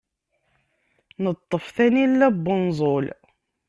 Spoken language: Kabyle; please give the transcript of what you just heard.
Neṭṭef tanila n wenẓul.